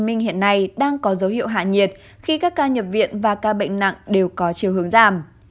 minh hiện nay đang có dấu hiệu hạ nhiệt khi các ca nhập viện và ca bệnh nặng đều có chiều hướng giảm